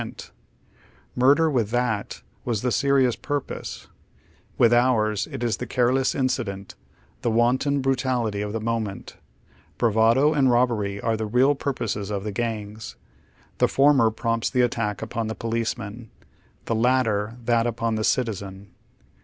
oy Google THE HAKVE8T OF TABES, 219 Murder with that was the serious purpose ; with ours it is the careless incident, the wanton brutality of the mo ment. Bravado and robbery are the real purposes of the gangs; the former prompts tlie attack upon the police man, the latter that upon the citizen.